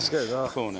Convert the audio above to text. そうね。